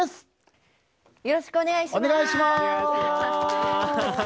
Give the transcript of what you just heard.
よろしくお願いします。